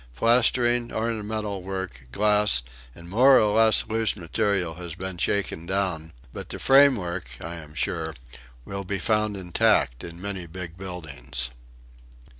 Plastering, ornamental work, glass and more or less loose material has been shaken down, but the framework, I am sure, will be found intact in many big buildings."